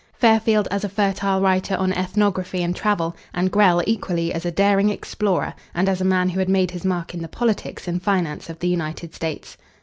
Fairfield as a fertile writer on ethnography and travel; and Grell equally as a daring explorer, and as a man who had made his mark in the politics and finance of the United States.